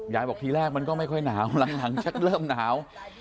ยายบอกว่าทีแรกมันก็ไม่ค่อยหนาวหลังแช่งเริ่มหนาว